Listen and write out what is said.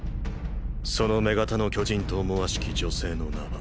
その女型の巨人と思わしき女性の名は。